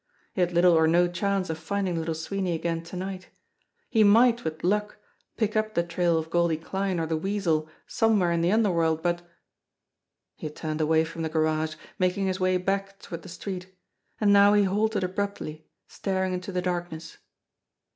He had little or no chance of finding Little Sweeney again to night ; he might, with luck, pick up the trail of Goldie Kline or the Weasel somewhere in the underworld, but He had turned away from the garage, making his way back toward the street, and now he halted abruptly, staring into the darkness.